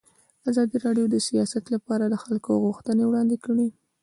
ازادي راډیو د سیاست لپاره د خلکو غوښتنې وړاندې کړي.